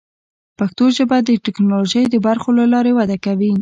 پښتو ژبه د ټکنالوژۍ د برخو له لارې وده کوي.